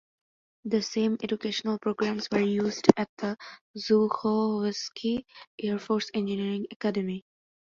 The same educational programs were used at the Zhukovsky Air Force Engineering Academy.